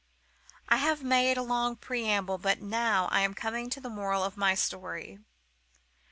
I have made a long preamble, but now I am coming to the moral of my story."